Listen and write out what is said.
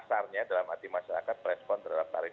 sebenarnya dalam hati masyarakat respon terhadap tarif ini